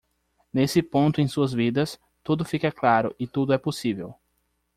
Nesse ponto em suas vidas, tudo fica claro e tudo é possível.